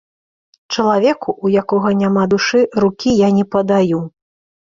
Чалавеку, у якога няма душы, рукі я не падаю.